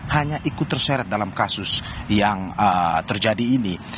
hanya ikut terseret dalam kasus yang terjadi ini